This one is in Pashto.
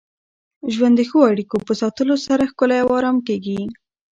ژوند د ښو اړیکو په ساتلو سره ښکلی او ارام کېږي.